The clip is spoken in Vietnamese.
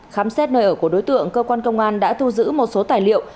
khám xét nơi ở của đối tượng cơ quan công an đã thu giữ một số tài liệu